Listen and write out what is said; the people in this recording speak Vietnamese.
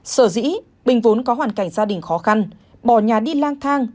sở dĩ bình vốn có hoàn cảnh gia đình khó khăn bỏ nhà đi lang thang